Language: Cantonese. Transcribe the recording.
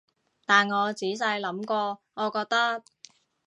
但我仔細諗過，我覺得